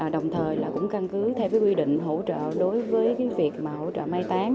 đồng thời là cũng căn cứ theo quy định hỗ trợ đối với việc hỗ trợ may tán